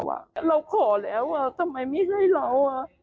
เราขอแล้วอะทำไมไม่ให้เราอะ